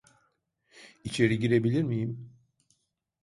İçeri girebilir miyim?